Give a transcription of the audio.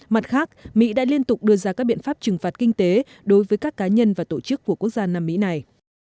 mặt khác mỹ đã liên tục đưa ra các biện pháp trừng phạt kinh tế đối với các cá nhân và tổ chức của quốc gia nam mỹ này